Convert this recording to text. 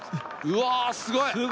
うわすごい！